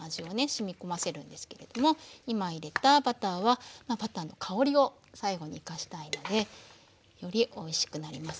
しみ込ませるんですけれども今入れたバターはバターの香りを最後に生かしたいのでよりおいしくなりますね。